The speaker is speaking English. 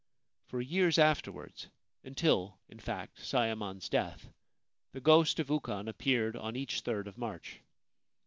For years afterwards — until, in fact, Sayemon's death — the ghost of Ukon appeared on each 3rd of March.